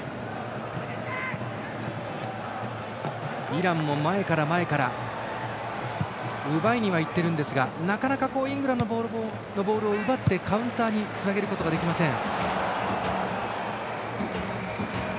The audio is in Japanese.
イランも前から、前から奪いにいっていますがなかなかイングランドのボールを奪って、カウンターにつなげることができません。